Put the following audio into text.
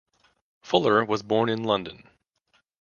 Fuller was born in London.